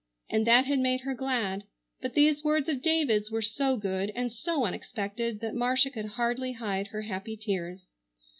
and that had made her glad, but these words of David's were so good and so unexpected that Marcia could hardly hide her happy tears.